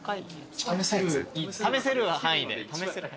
試せる範囲で。